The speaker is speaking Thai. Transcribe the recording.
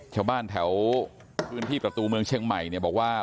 ชาวบ้านแถวพื้นที่ประตูเมืองเชียงใหม่เนี่ยบอกว่า